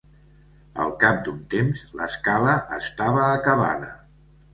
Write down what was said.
Al cap d'un temps, l'escala estava acabada.